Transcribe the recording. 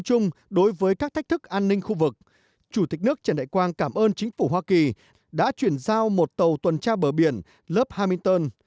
chung đối với các thách thức an ninh khu vực chủ tịch nước trần đại quang cảm ơn chính phủ hoa kỳ đã chuyển giao một tàu tuần tra bờ biển lớp hamilton